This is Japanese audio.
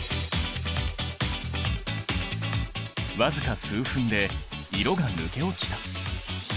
僅か数分で色が抜け落ちた。